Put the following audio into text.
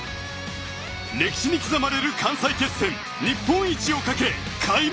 歴史に刻まれる関西決戦日本一をかけ、開幕。